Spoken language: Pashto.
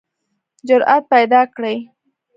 جرئت پیداکړئ